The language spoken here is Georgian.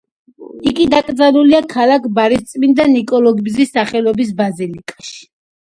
იგი დაკრძალულია ქალაქ ბარის წმინდა ნიკოლოზის სახელობის ბაზილიკაში.